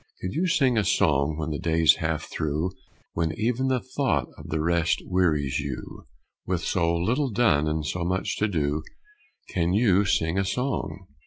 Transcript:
Can you sing a song when the day's half through, When even the thought of the rest wearies you, With so little done and so much to do, Can you sing a song?